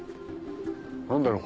何だろう？